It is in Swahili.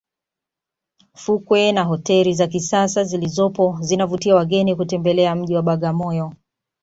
fukwe na hoteli za kisasa zilizopo zinavutia wageni kutembelea mji wa bagamoyo